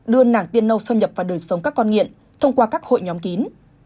đưa nàng tiên nâu xâm nhập vào đời sống các con nghiện thông qua các hội nhóm kín